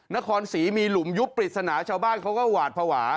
นครศรีมีหลุมยุบปริศนาชาวบ้านเขาก็หวาดภาวะ